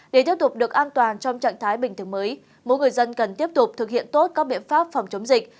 để tiếp tục được an toàn trong trạng thái bình thường mới mỗi người dân cần tiếp tục thực hiện tốt các biện pháp phòng chống dịch